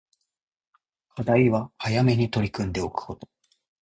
課題は早めに取り組んでおくこと